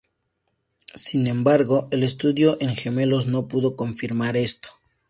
Sin embargo, el estudio en gemelos no pudo confirmar esto.